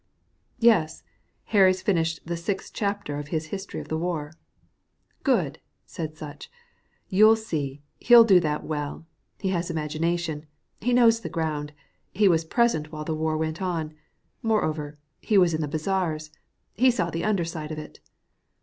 "Yes. Harry's finished the sixth chapter of his history of the war." "Good!" said Sutch. "You'll see, he'll do that well. He has imagination, he knows the ground, he was present while the war went on. Moreover, he was in the bazaars, he saw the under side of it."